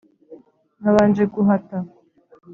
nabanje guhata